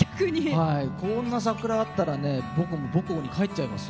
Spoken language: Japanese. こんな桜あったら僕も母校に帰っちゃいます。